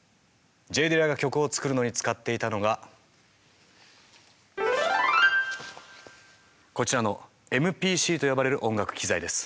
Ｊ・ディラが曲を作るのに使っていたのがこちらのＭＰＣと呼ばれる音楽機材です。